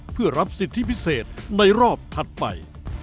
เพื่อรับสิทธิพิเศษในรอบถัดไป